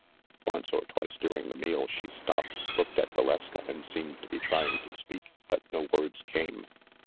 Once or twice during the meal she stopped, looked at Valeska, and seemed to be trying to speak; but no words came.